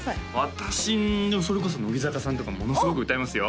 私それこそ乃木坂さんとかものすごく歌いますよ